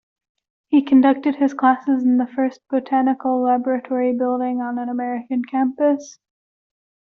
He conducted his classes in the first botanical laboratory building on an American campus.